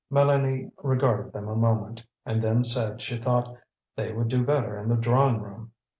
Mélanie regarded them a moment, and then said she thought they would do better in the drawing room.